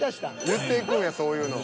［言っていくんやそういうの。